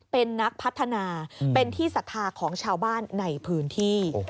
เป็นนักพัฒนาเป็นที่ศรัทธาของชาวบ้านในพื้นที่